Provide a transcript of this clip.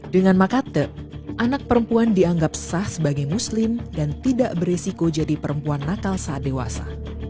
dengan makate anak perempuan dianggap sah sebagai muslim dan tidak beresiko jadi perempuan nakal saat dewasa